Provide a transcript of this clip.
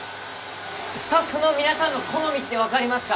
スタッフの皆さんの好みって分かりますか？